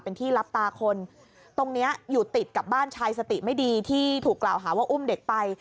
เป็นที่รับตาคนตรงเนี้ยอยู่ติดกับบ้านชายสติไม่ดีที่ถูกกล่าวหาว่าอุ้มเด็กไป